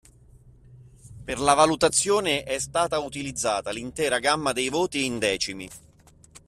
Per la valutazione è stata utilizzata l’intera gamma dei voti in decimi.